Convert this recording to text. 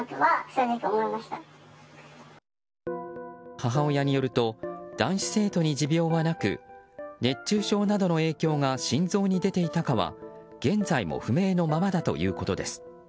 母親によると男子生徒に持病はなく熱中症などの影響が心臓に出ていたかは現在も不明のままだということです。